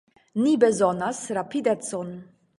Ni bezonas rapidecon!